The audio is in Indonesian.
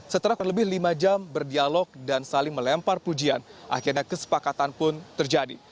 setelah kurang lebih lima jam berdialog dan saling melempar pujian akhirnya kesepakatan pun terjadi